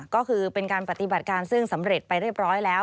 ก็คือเป็นการปฏิบัติการซึ่งสำเร็จไปเรียบร้อยแล้ว